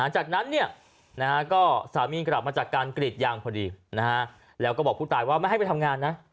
จากนั้นก็สามีกลับมาจากการกรีดยางพอดีแล้วก็บอกผู้ตายว่าไม่ให้ไปทำงานนะ